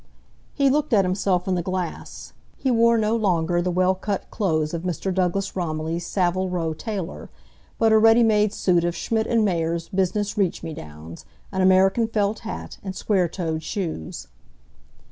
He looked at himself in the glass. He wore no longer the well cut clothes of Mr. Douglas Romilly's Saville Row tailor, but a ready made suit of Schmitt & Mayer's business reach me downs, an American felt hat and square toed shoes.